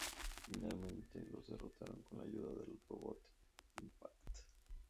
Finalmente los derrotan con la ayuda del robot Impact.